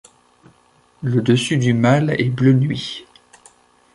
Le dessus du mâle est bleu nuit.